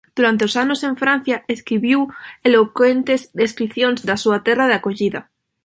Durante os anos en Francia escribiu elocuentes descricións da súa terra de acollida.